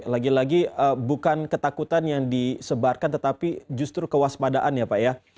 lagi lagi bukan ketakutan yang disebarkan tetapi justru kewaspadaan ya pak ya